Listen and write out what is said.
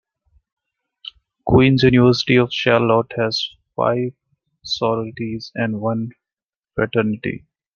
Queens University of Charlotte has five sororities and one fraternity.